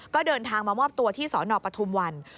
ก็เดินทางมามอบตัวที่สนปทุมวัน